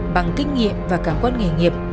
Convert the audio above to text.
bằng kinh nghiệm và cảm quan nghề nghiệp